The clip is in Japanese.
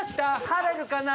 「晴れるかな」